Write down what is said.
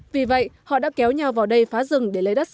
vì vậy họ đã kéo nhau vào đây phá rừng